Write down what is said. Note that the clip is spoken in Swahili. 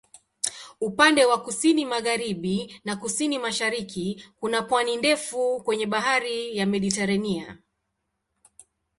Upande wa kusini-magharibi na kusini-mashariki kuna pwani ndefu kwenye Bahari ya Mediteranea.